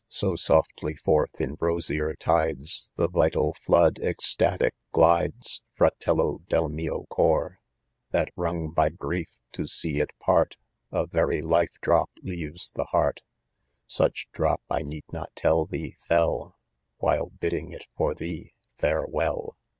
So softly forth in rosier tides , The; vital flood ecsiath: /lidi..":, Frak'ilo del mio cor. f>6 IDOMEN. That wrong toy grief to see it part. A very life "drop leaves the heart ; Such drop, I need not tell thee ? fell^ While "bidding 1 it for thee., farewell.